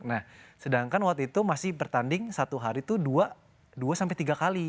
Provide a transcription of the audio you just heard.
nah sedangkan waktu itu masih bertanding satu hari itu dua sampai tiga kali